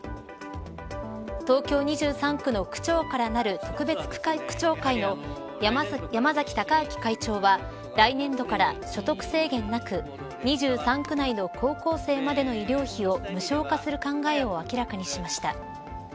東京２３区の区長からなる特別区長会の山崎孝明会長は来年度から所得制限なく２３区内の高校生までの医療費を無償化する考えを明らかにしました。